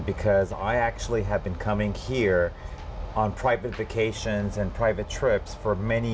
เพราะว่าฉันมาที่นี่ในเวลาที่มีเวลาที่มีความปลอดภัย